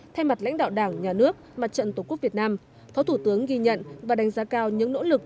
thay mặt lãnh đạo đảng nhà nước mặt trận tổ quốc việt nam phó thủ tướng ghi nhận và đánh giá cao những nỗ lực